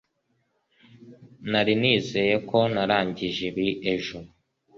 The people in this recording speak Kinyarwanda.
nari nizeye ko narangije ibi ejo